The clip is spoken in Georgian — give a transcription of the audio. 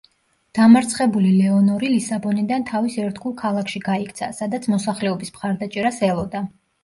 დამარცხებული ლეონორი ლისაბონიდან თავის ერთგულ ქალაქში გაიქცა, სადაც მოსახლეობის მხარდაჭერას ელოდა.